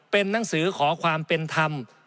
เป็นหนังสือขอความเป็นธรรม